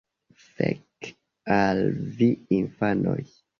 Fek' al vi infanoj!